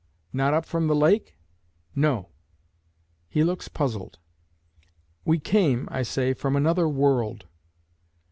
"Not up from the lake?" "No." He looks puzzled. "We came," I say, "from another world."